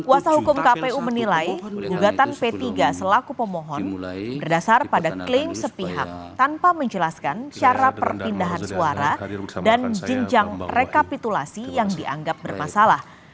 kuasa hukum kpu menilai gugatan p tiga selaku pemohon berdasar pada klaim sepihak tanpa menjelaskan syarat perpindahan suara dan jenjang rekapitulasi yang dianggap bermasalah